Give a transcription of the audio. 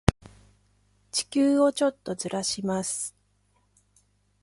地球をちょっとずらします。